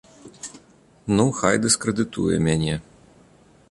Ну, хай дыскрэдытуе мяне!